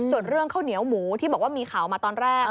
ส่วนเรื่องข้าวเหนียวหมูที่บอกว่ามีข่าวมาตอนแรก